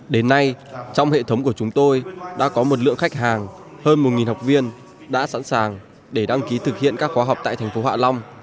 đến nay trong hệ thống của chúng tôi đã có một lượng khách hàng hơn một học viên đã sẵn sàng để đăng ký thực hiện các khóa học tại thành phố hạ long